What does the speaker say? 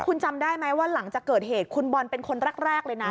คุณจำได้ไหมว่าหลังจากเกิดเหตุคุณบอลเป็นคนแรกเลยนะ